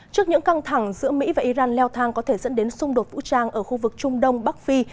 trước những căng thẳng giữa mỹ và iran leo thang có thể dẫn đến xung đột vũ trang ở khu vực trung đông bắc phi